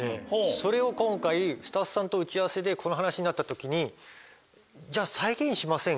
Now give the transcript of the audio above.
それを今回スタッフさんと打ち合わせでこの話になった時にじゃあ。